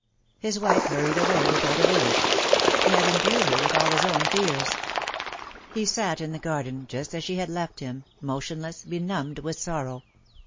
His wife hurried away without a word. He had imbued her with all his own fears. He sat in the garden, just as she had left him, motionless, benumbed with sorrow.